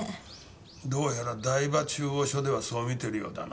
どうやら台場中央署ではそう見てるようだな。